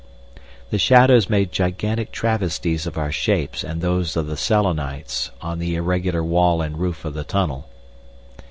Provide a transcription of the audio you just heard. The shadows made gigantic travesties of our shapes and those of the Selenites on the irregular wall and roof of the tunnel.